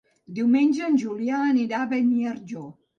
Diumenge en Julià anirà a Beniarjó.